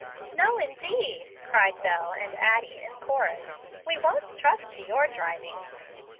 "No, indeed," cried Bel and Addie in chorus; "we won't trust to your driving."